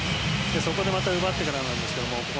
そこでまた奪ってからなんですが。